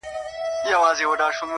تمرکز ذهن واحد هدف ته محدودوي؛